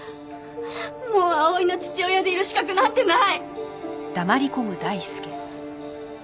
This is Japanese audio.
もう碧唯の父親でいる資格なんてない！